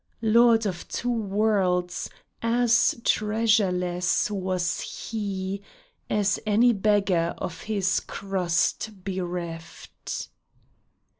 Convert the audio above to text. Lord of two worlds, as treasureless was he As any beggar of his crust bereft